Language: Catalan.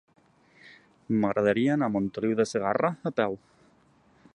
M'agradaria anar a Montoliu de Segarra a peu.